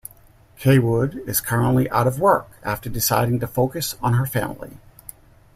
Cawood is currently out of work after deciding to focus on her family.